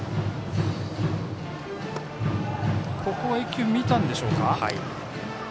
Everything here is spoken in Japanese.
１球、見たんでしょうか。